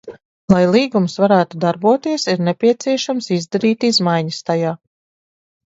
Lai līgums varētu darboties, ir nepieciešams izdarīt izmaiņas tajā.